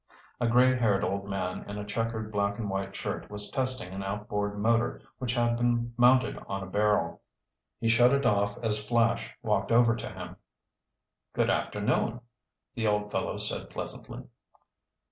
A gray haired old man in a checkered black and white shirt was testing an outboard motor which had been mounted on a barrel. He shut it off as Flash walked over to him. "Good afternoon," the old fellow said pleasantly.